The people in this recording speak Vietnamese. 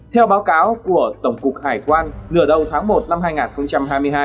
theo báo cáo của tổng cục hải quan nửa đầu tháng một năm hai nghìn hai mươi hai